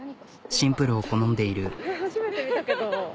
シンプルを好んでいる。